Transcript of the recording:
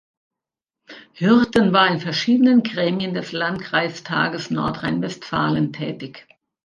Hürten war in verschiedenen Gremien des Landkreistages Nordrhein-Westfalen tätig.